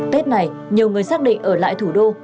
tết này nhiều người xác định ở lại thủ đô